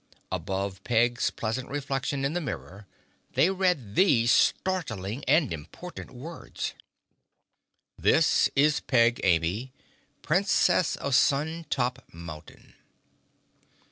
Above Peg's pleasant reflection in the mirror they read these startling and important words: This is Peg Amy, Princess of Sun Top Mountain.